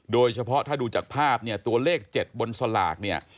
โดยเฉพาะถ้าดูจากภาพเนี่ยตัวเลข๗บนสลากเนี่ย